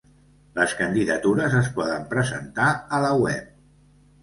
Les candidatures es poden presentar a la web.